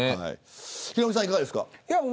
ヒロミさん、いかがですか。